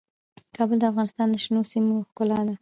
کابل د افغانستان د شنو سیمو ښکلا ده.